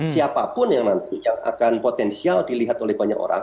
siapapun yang nanti yang akan potensial dilihat oleh banyak orang